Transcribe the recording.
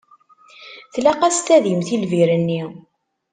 Tlaq-as tadimt i lbir-nni.